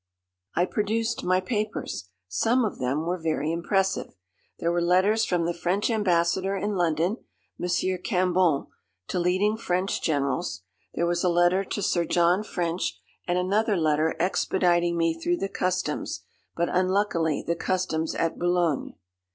"I produced my papers. Some of them were very impressive. There were letters from the French Ambassador in London, Monsieur Cambon, to leading French generals. There was a letter to Sir John French and another letter expediting me through the customs, but unluckily the customs at Boulogne.